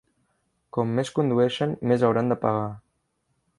Com més condueixen, més hauran de pagar.